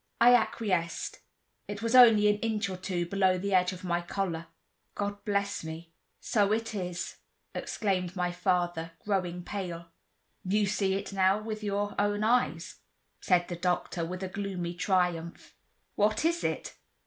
I acquiesced. It was only an inch or two below the edge of my collar. "God bless me!—so it is," exclaimed my father, growing pale. "You see it now with your own eyes," said the doctor, with a gloomy triumph. "What is it?"